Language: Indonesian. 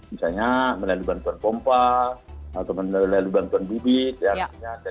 misalnya melalui bantuan pompa atau melalui bantuan bibit